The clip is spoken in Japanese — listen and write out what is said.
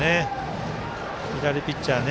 左ピッチャー